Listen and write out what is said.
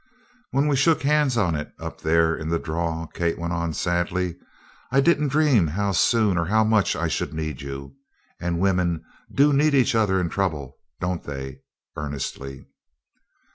"When we shook hands on it up there in the draw," Kate went on, sadly, "I didn't dream how soon or how much I should need you. And women do need each other in trouble, don't they?" earnestly.